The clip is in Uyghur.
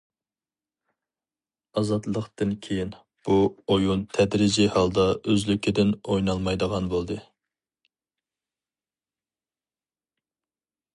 ئازادلىقتىن كېيىن، بۇ ئويۇن تەدرىجىي ھالدا ئۆزلۈكىدىن ئوينالمايدىغان بولدى.